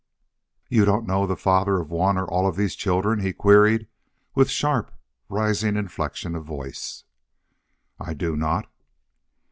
"You don't know the father of one or all of these children?" he queried, with sharp rising inflection of voice. "I do not."